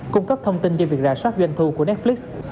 cung cấp thông tin cho việc ra sát doanh thu của netflix